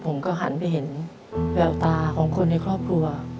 ผมก็หันไปเห็นแววตาของคนในครอบครัว